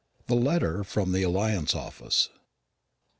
THE LETTER FROM THE "ALLIANCE" OFFICE.